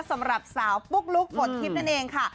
สำหรับสาวปุ๊กลุ๊กฝนทิพย์นั่นเองค่ะ